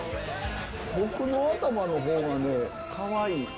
僕の頭のほうがね、かわいい。